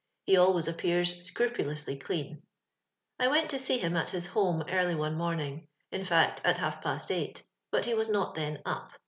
He always appears scrupulously clean. I went to see him at his home early one morning — in fact, at half past eight, but he was not tlien up.